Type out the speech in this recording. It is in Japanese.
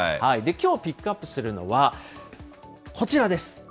きょうピックアップするのは、こちらです。